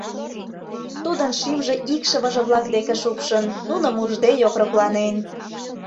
Тудын шӱмжӧ икшывыже-влак деке шупшын, нуным ужде йокрокланен.